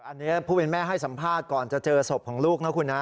อันนี้ผู้เป็นแม่ให้สัมภาษณ์ก่อนจะเจอศพของลูกนะคุณนะ